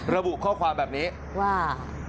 ระบุข้อความแบบนี้ว่า